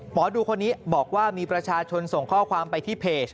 หมอดูคนนี้บอกว่ามีประชาชนส่งข้อความไปที่เพจ